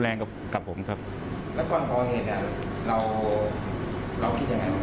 แล้วก่อนก่อนเหตุเนี่ยเราคิดยังไงบ้าง